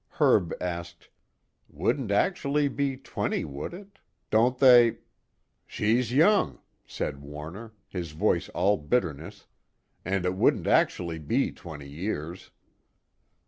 Herb asked: "Wouldn't actually be twenty, would it? Don't they " "She's young," said Warner, his voice all bitterness, "and it wouldn't actually be twenty years."